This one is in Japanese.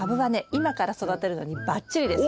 今から育てるのにバッチリです。